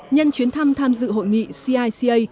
nhân chuyến thăm tham dự hội nghị cica